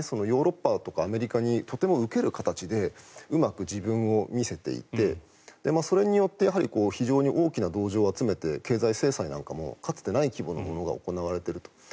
ヨーロッパとかアメリカにとても受ける形でうまく自分を見せていてそれによって非常に大きな同情を集めて経済制裁なんかもかつてない規模が行われていると。